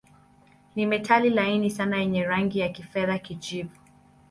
Ni metali laini sana yenye rangi ya kifedha-kijivu.